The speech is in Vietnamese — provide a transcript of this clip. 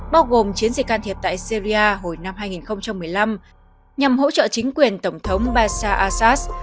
bao gồm chiến dịch can thiệp tại syria hồi năm hai nghìn một mươi năm nhằm hỗ trợ chính quyền tổng thống bashar al assad